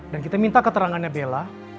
dan kita minta keterangannya bela